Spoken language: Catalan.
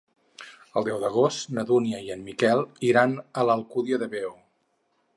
El deu d'agost na Duna i en Miquel iran a l'Alcúdia de Veo.